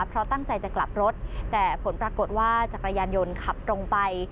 เพราะตั้งใจจะกลับรถแต่ผลปรากฏว่าจักรยานยนต์ขับตรงไป